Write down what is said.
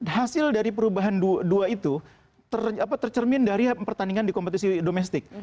hasil dari perubahan dua itu tercermin dari pertandingan di kompetisi domestik